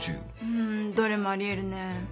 うんどれもあり得るね。